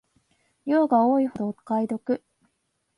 量が多いほどお買い得